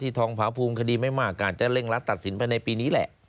ทองผาภูมิคดีไม่มากอาจจะเร่งรัดตัดสินไปในปีนี้แหละ